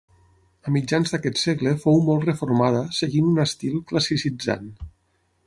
A mitjans d'aquest segle fou molt reformada seguint un estil classicitzant.